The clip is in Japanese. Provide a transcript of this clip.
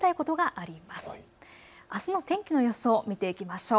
あすの天気の予想を見ていきましょう。